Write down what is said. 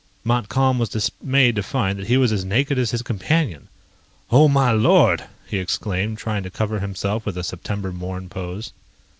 Montcalm was dismayed to find that he was as naked as his companion! "Oh, my Lord!" he exclaimed, trying to cover himself with a September Morn pose.